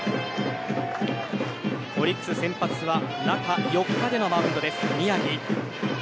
オリックス先発は中４日でのマウンド、宮城。